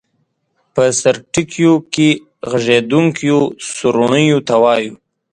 په سرټکیو کې غږېدونکیو سورڼیو ته وایو.